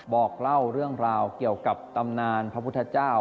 บอกเล่าเรื่องราวเกี่ยวกับตำนานพระพุทธเจ้า